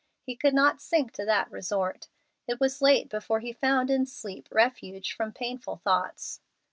He could not sink to that resort. It was late before he found in sleep refuge from painful thoughts.